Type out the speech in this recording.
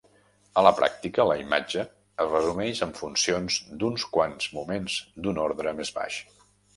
A la pràctica, la imatge es resumeix amb funcions d'uns quants moments d'un ordre més baix.